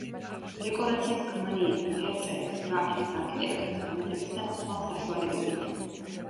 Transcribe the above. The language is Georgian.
დეკორაციას ქმნიან ფერწერის, გრაფიკის, არქიტექტურის, განათების და სხვა საშუალებებით.